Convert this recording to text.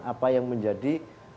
apa yang menjadi